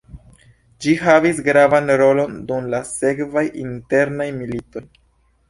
Ĝi havis gravan rolon dum la sekvaj internaj militoj.